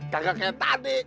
gak kayak tadi